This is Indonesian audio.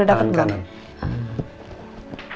udah dapet belum ya